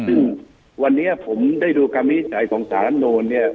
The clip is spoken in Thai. ซึ่งวันนี้ผมได้ดูคำวินิจฉัยของสารรัฐมนูลเนี่ย